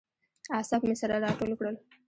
اعصاب مې سره راټول کړل.